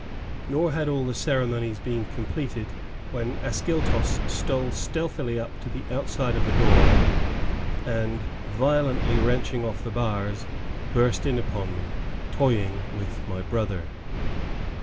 Nor had all the ceremonies been completed, when Ascyltos stole stealthily up to the outside of the door and, violently wrenching off the bars, burst in upon me, toying with my "brother."